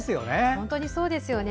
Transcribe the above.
本当にそうですよね。